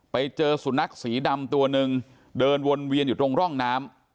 ไปเจอสุนัขสีดำตัวหนึ่งเดินวนเวียนอยู่ตรงร่องน้ำ